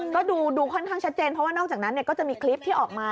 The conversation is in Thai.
ก็ดูค่อนข้างชัดเจนเพราะว่านอกจากนั้นก็จะมีคลิปที่ออกมา